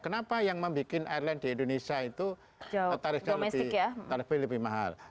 kenapa yang membuat airline di indonesia itu tarifnya lebih mahal